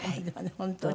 本当にね。